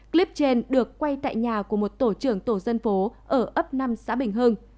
clip trên được quay tại nhà của một tổ trưởng tổ dân phố ở ấp năm xã bình hưng